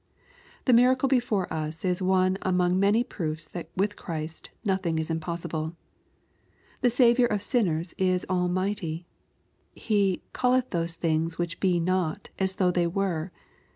The miracle before us is one among many proofs that with Christ nothing is impossible. The Saviour of sinners is Almighty. He " calleth those things which be not as though they were.'